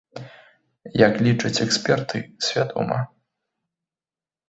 Як лічаць эксперты, свядома.